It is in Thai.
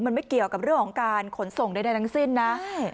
มันไม่เกี่ยวกับเรื่องของการขนส่งใดทั้งสิ้นนะใช่